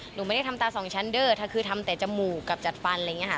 หนูไม่ได้ทำตาสองชั้นเดอร์คือทำแต่จมูกกับจัดฟันอะไรอย่างนี้ค่ะ